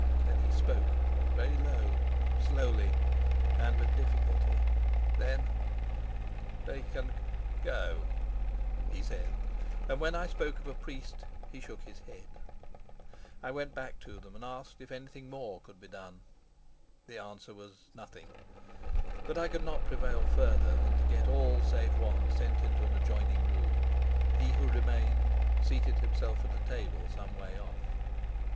Then he spoke, very low, slowly, and with difficulty. "Then they can go," he said; and when I spoke of a priest he shook his head. I went back to them and asked if anything more could be done. The answer was nothing; but I could not prevail further than to get all save one sent into an adjoining room; he who remained seated himself at a table some way off.